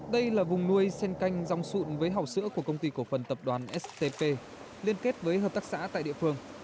đây là vùng nuôi sen canh rong sụn với hảo sữa của công ty cổ phần tập đoàn stp liên kết với hợp tác xã tại địa phương